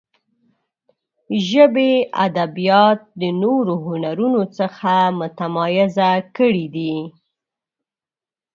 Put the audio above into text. ژبې ادبیات د نورو هنرونو څخه متمایزه کړي دي.